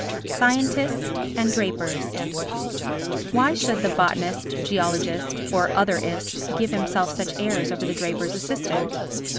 Scientists and Drapers Why should the botanist, geologist or other ist give himself such airs over the draper's assistant?